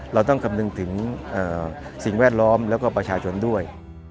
เราต้องคำนึงถึงสิ่งแวดล้อมแล้วก็ประชาชนด้วย